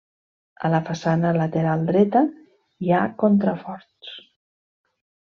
A la façana lateral dreta, hi ha contraforts.